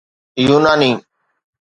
يوناني